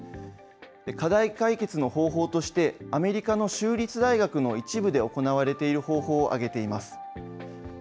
課題解決の方法として、アメリカの州立大学の一部で行われている方法を挙げています。